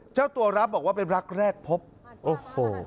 เจ้าตัวรับบอกว่าเป็นรักแรกพบโอ้โห